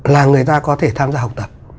là người ta có thể tham gia học tập